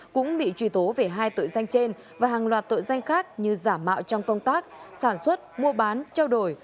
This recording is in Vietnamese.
cũng bị truy tố về hai tội danh trên và hàng loạt tội danh khác như giả mạo trong công tác sản xuất mua bán trao đổi